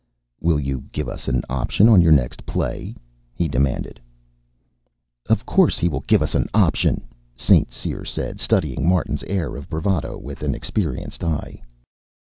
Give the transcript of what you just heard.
"Will you give us an option on your next play?" he demanded. "Of course he will give us an option!" St. Cyr said, studying Martin's air of bravado with an experienced eye.